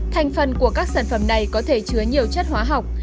thành phần của các sản phẩm này có thể chứa nhiều chất hóa học